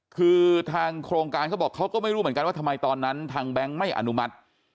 คือทางโครงการเขาบอกเขาก็ไม่รู้เหมือนกันว่าทำไมตอนนั้นทางแบงค์ไม่อนุมัติ